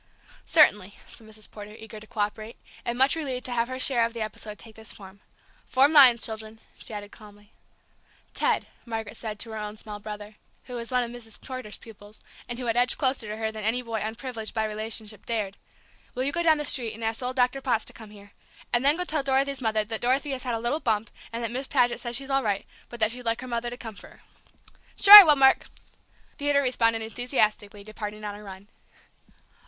"Certainly," said Mrs. Porter, eager to cooperate, and much relieved to have her share of the episode take this form. "Form lines, children," she added calmly. "Ted," said Margaret to her own small brother, who was one of Mrs. Porter's pupils, and who had edged closer to her than any boy unprivileged by relationship dared, "will you go down the street, and ask old Doctor Potts to come here? And then go tell Dorothy's mother that Dorothy has had a little bump, and that Miss Paget says she's all right, but that she'd like her mother to come for her." "Sure I will, Mark!" Theodore responded enthusiastically, departing on a run.